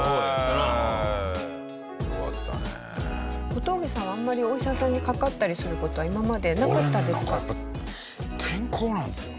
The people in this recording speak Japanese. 小峠さんはあんまりお医者さんにかかったりする事は今までなかったですか？